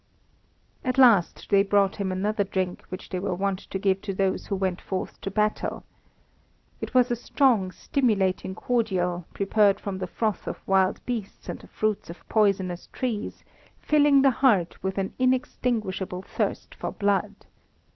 At last they brought him another drink which they were wont to give to those who went forth to battle. It was a strong, stimulating cordial, prepared from the froth of wild beasts and the fruits of poisonous trees, filling the heart with an inextinguishable thirst for blood.